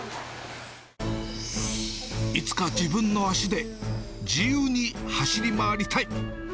いつか自分の足で自由に走り回りたい。